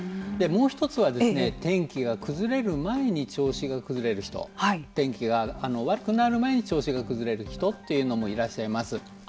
もう一つは天気が崩れる前に調子が崩れる人天気が悪くなる前に調子が崩れる人というのもいらっしゃいます。